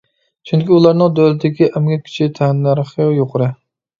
چۈنكى ئۇلارنىڭ دۆلىتىدىكى ئەمگەك كۈچى تەننەرخى يۇقىرى.